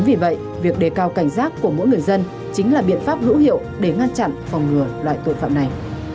vì vậy việc đề cao cảnh giác của mỗi người dân chính là biện pháp hữu hiệu để ngăn chặn phòng ngừa loại tội phạm này